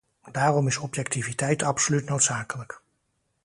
Daarom is objectiviteit absoluut noodzakelijk.